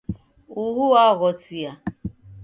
Uhu waghosia.